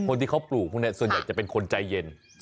คนที่เขาปลูกพวกนี้ส่วนใหญ่จะเป็นคนใจเย็น